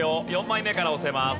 ４枚目から押せます。